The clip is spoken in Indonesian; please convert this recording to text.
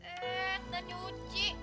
eh udah nyuci